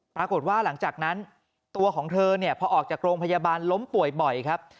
ปรากฏว่าหลังจากนั้นตัวของเธอเนี่ยพอออกจากโรงพยาบาลล้มป่วยบ่อยครับ